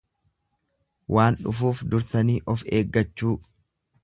Waan dhufuuf dursanii of eeggaachuu.